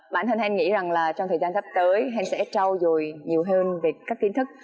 bản thân hèn nghĩ rằng là trong thời gian sắp tới hèn sẽ trau rồi nhiều hơn về các kiến thức